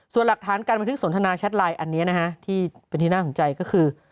ส่วนหลักฐานการบันทึกสนทนาแชทไลน์อันนี้นะฮะที่เป็นที่น่าสนใจก็คือ